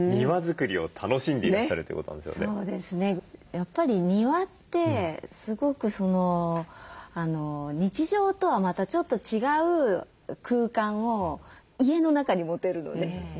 やっぱり庭ってすごく日常とはまたちょっと違う空間を家の中に持てるので。